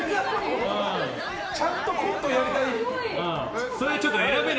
ちゃんとコントやりたいのかな。